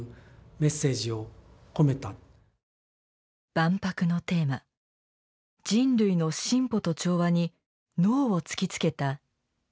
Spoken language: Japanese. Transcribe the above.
万博のテーマ「人類の進歩と調和」にノーを突きつけた太陽の塔。